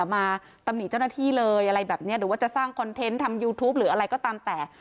มาตำหนิเจ้าหน้าที่เลยอะไรแบบนี้หรือว่าจะสร้างคอนเทนต์ทำยูทูปหรืออะไรก็ตามแต่